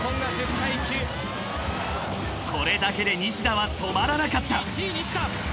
［これだけで西田は止まらなかった］